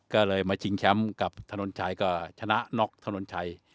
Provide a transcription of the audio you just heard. ก็เลยมาชิงแชมป์กับถนนชัยก็ชนะน็อกถนนชัย